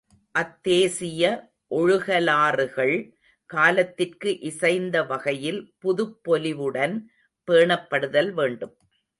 அத்தேசிய ஒழுகலாறுகள் காலத்திற்கு இசைந்த வகையில் புதுப்பொலிவுடன் பேணப் படுதல் வேண்டும்.